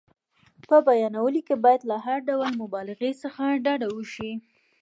په بیانولو کې باید له هر ډول مبالغې څخه ډډه وشي.